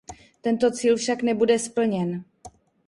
Tento cíl však nebude splněn.